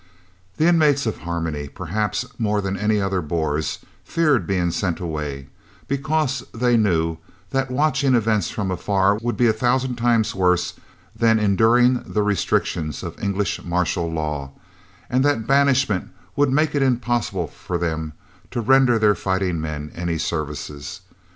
The inmates of Harmony, perhaps more than any other Boers, feared being sent away, because they knew that watching events from afar would be a thousand times worse than enduring the restrictions of English martial law, and that banishment would make it impossible for them to render their fighting men any services.